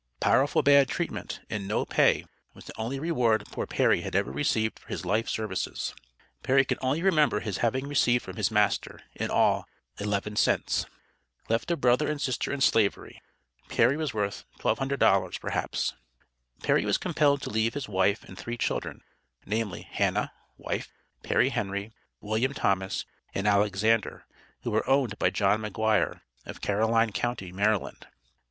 "Powerful bad" treatment, and "no pay," was the only reward poor Perry had ever received for his life services. Perry could only remember his having received from his master, in all, eleven cents. Left a brother and sister in Slavery. Perry was worth $1200 perhaps. Perry was compelled to leave his wife and three children namely, Hannah (wife), Perry Henry, William Thomas and Alexander, who were owned by John McGuire, of Caroline county, Maryland.